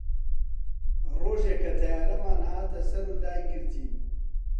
ڕۆژێ کە تەیارەمان هاتە سەر و دایگرتین